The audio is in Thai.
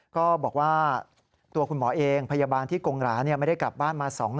ก็บอกว่าตัวคุณหมอเองพยาบาลที่กงหราไม่ได้กลับบ้านมา